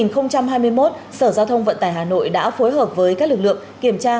năm hai nghìn hai mươi một sở giao thông vận tải hà nội đã phối hợp với các lực lượng kiểm tra